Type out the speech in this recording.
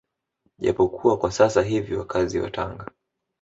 Japo kuwa kwa sasa hivi wakazi wa Tanga